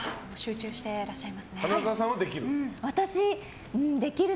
花澤さんはできる？